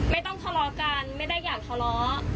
ไม่ต้องทะเลาะกันไม่ได้อยากทะเลาะ